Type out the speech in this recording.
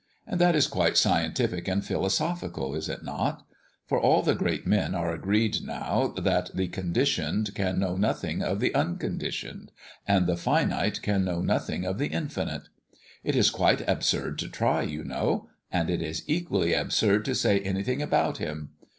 And that is quite scientific and philosophical, is it not? For all the great men are agreed now that the conditioned can know nothing of the unconditioned, and the finite can know nothing of the infinite. It is quite absurd to try, you know; and it is equally absurd to say anything about Him.